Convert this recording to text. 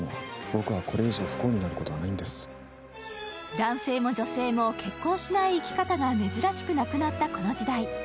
男性も女性も結婚しない生き方が珍しくなくなったこの時代。